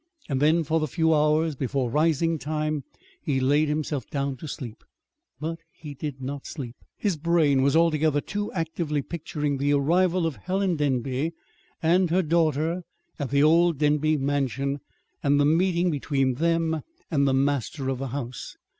Then, for the few hours before rising time, he laid himself down to sleep. But he did not sleep. His brain was altogether too actively picturing the arrival of Helen Denby and her daughter at the old Denby Mansion, and the meeting between them and the master of the house.